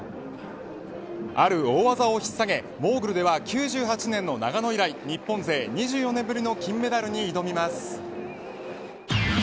ある大技を引っ提げモーグルでは９８年の長野以来日本勢２４年ぶりの金メダルに挑みます。